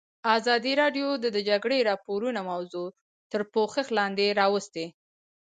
ازادي راډیو د د جګړې راپورونه موضوع تر پوښښ لاندې راوستې.